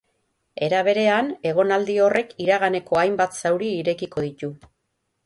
Era berean, egonaldi horrek iraganeko hainbat zauri irekiko ditu.